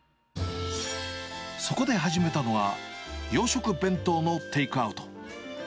そこで始めたのは、洋食弁当のテイクアウト。